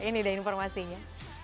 ini deh informasinya